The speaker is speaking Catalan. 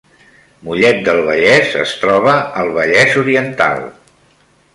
Mollet del Vallès es troba al Vallès Oriental